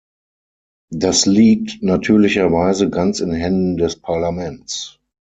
Das liegt natürlicherweise ganz in Händen des Parlaments.